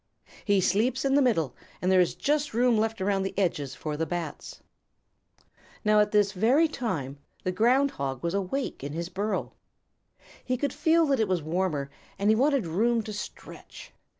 "He sleeps in the middle and there is just room left around the edges for the Bats." Now at this very time the Ground Hog was awake in his burrow. He could feel that it was warmer and he wanted room to stretch.